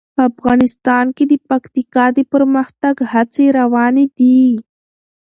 افغانستان کې د پکتیکا د پرمختګ هڅې روانې دي.